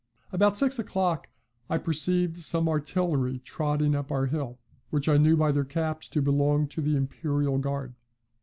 About six o'clock I perceived some artillery trotting up our hill, which I knew by their caps to belong to the Imperial Guard.